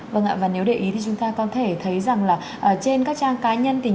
vâng ạ và nếu để ý thì chúng ta có thể thấy rằng là trên các trang cá nhân thì nhiều người